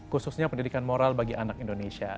khususnya pendidikan moral bagi anak indonesia